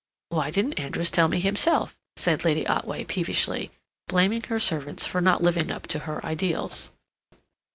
"Why didn't Andrews tell me himself?" said Lady Otway, peevishly, blaming her servants for not living up to her ideals.